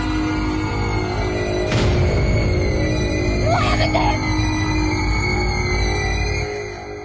もうやめて！